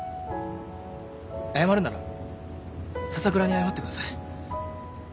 謝るなら笹倉に謝ってください。